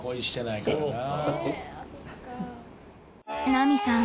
ナミさん